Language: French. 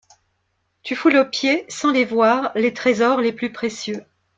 Tu foules aux pieds, sans les voir, les trésors les plus précieux.